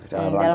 dalam rangka apa